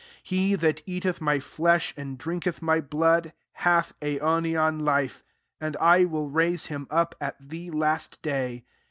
54 He that eateth my flesh, and drinketh my blood, hath aionian life ; and I will raise him up at the last day.